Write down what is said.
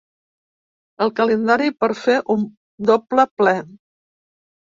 El calendari per fer un ‘doble ple’